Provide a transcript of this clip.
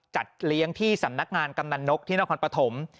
จัดเลี้ยงที่สำนักงานกำนันนกที่นครปฐม